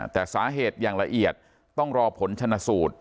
แต่สาเหตุอย่างละเอียดต้องรอผลชนะสูตร